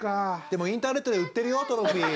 でもインターネットで売ってるよトロフィー。